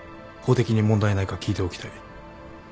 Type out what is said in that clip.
法的に問題ないか聞いておきたい。